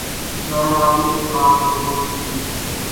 بہرحال ایک بات تو ہو چکی۔